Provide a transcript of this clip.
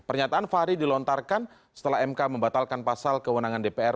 pernyataan fahri dilontarkan setelah mk membatalkan pasal kewenangan dpr